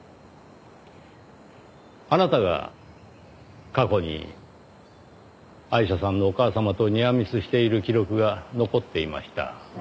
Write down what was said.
あなたが過去にアイシャさんのお母様とニアミスしている記録が残っていました。